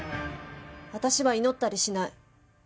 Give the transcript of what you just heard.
私は祈ったりしない。